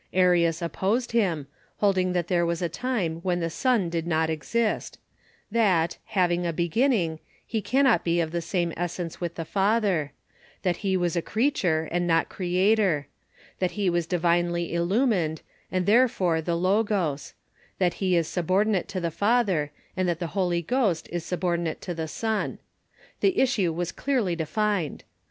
Arius opposed him, hold ing that there was a time when the Son did not exist ; that, having a beginning, he cannot be of the same essence with the Father ; that he was a creature, and not Creator ; that he was divinely illumined, and therefore the Logos ; that he is subordinate to the Father, and that the Holy Ghost is subordi nate to the Son. The issue was clearly defined.